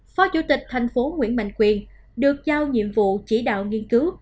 phó chủ tịch thành phố nguyễn mạnh quyền được giao nhiệm vụ chỉ đạo nghiên cứu